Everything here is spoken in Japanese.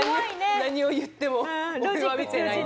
何を言っても俺は見てないって。